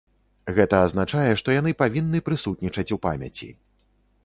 Гэта азначае, што яны павінны прысутнічаць у памяці.